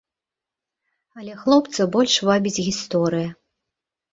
Але хлопца больш вабіць гісторыя.